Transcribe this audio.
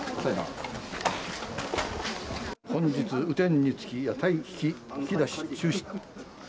本日、雨天につき、屋台ひき出し中止。